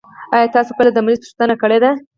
آيا تاسو کله د مريض پوښتنه کړي ده؟